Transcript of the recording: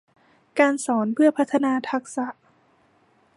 การสอนเพื่อพัฒนาทักษะ